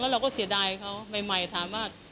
เราก็เสียดายเขาใหม่ถามว่า